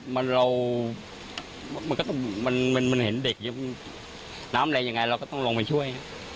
มันก็มันก็มันเรามันเห็นเด็กล้ามเล็งอย่างไรเราก็ต้องลงไปช่วย